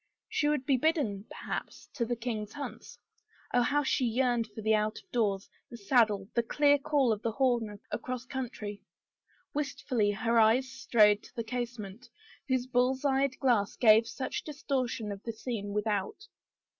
She would be 57 THE FAVOR OF KINGS bidden, perhaps, to the king's hunts — Oh, how she yearned for the out of doors, the saddle and the clear call of the horn across country! Wistfully her eyes strayed to the casement, whose buU's eyed glass gave such distortion of the scene without.